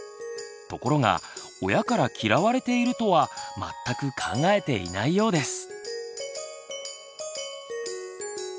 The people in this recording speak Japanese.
ところが親から嫌われているとは全く考えていないようです。